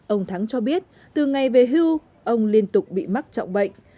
ông thắng cho biết từ ngày về hưu ông liên tục bị mắc trọng bệnh